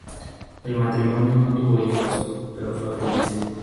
El matrimonio no tuvo hijos, pero fue feliz.